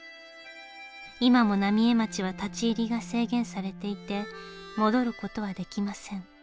今も浪江町は立ち入りが制限されていて戻る事はできません。